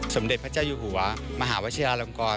สมเด็จพระเจ้าอยู่หัวมหาวชิลาลงกร